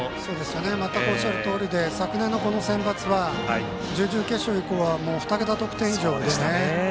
全くおっしゃるとおりで昨年のこのセンバツは準々決勝以降は２桁得点以上でしたね。